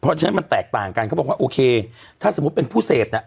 เพราะฉะนั้นมันแตกต่างกันเขาบอกว่าโอเคถ้าสมมุติเป็นผู้เสพน่ะ